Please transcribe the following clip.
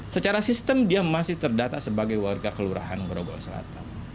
secara sistem dia masih terdata sebagai warga kelurahan grogol selatan